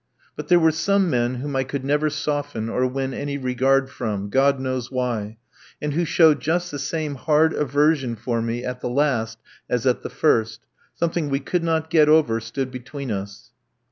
But there were some men whom I could never soften or win any regard from God knows why and who showed just the same hard aversion for me at the last as at the first; something we could not get over stood between us.